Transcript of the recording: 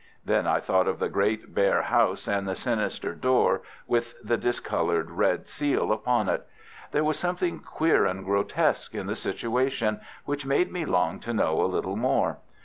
Then I thought of the great, bare house, and the sinister door with the discoloured red seal upon it. There was something queer and grotesque in the situation, which made me long to know a little more.